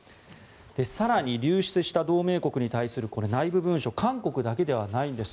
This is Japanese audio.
更に、流出した同盟国に対する内部文書韓国だけではないんです。